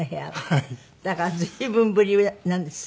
だから随分ぶりなんです。